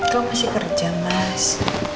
kau masih kerja mas